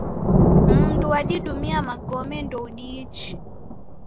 Mundu wadidumia magome ndoudiichi